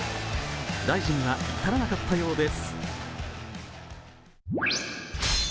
大事には至らなかったようです。